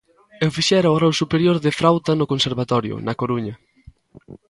Eu fixera o grao superior de frauta no conservatorio, na Coruña.